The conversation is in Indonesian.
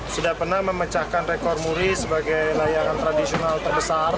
sudah pernah memecahkan rekor muri sebagai layangan tradisional terbesar